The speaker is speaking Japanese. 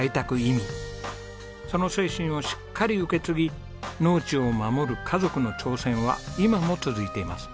その精神をしっかり受け継ぎ農地を守る家族の挑戦は今も続いています。